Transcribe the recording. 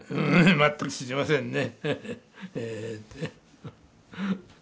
全く知りませんね。